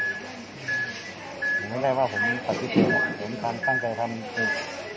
ผมไม่ได้ว่าผมตัดพิโภคผมตั้งใจทำเอง